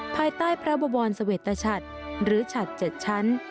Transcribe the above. ภายใต้พระบบรรณสเวตตะฉัดหรือฉัดเจ็ดชั้น